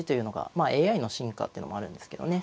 まあＡＩの進化っていうのもあるんですけどね。